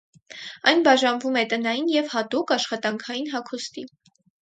Այն բաժանվում է տնային և հատուկ՝ աշխատանքային հագուստի։